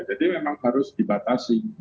jadi memang harus dibatasi